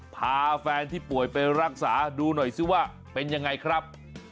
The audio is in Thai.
เจ้ารักษาดูหน่อยซิว่าเป็นอย่างไรครับ